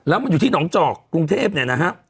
แล้วมันอยู่ที่หนองจอกกรุงเทพเนี่ยนะฮะ